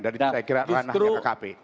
itu saya kira ranahnya kkp